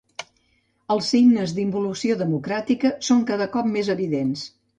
Els signes d’involució democràtica són cada cop més evidents.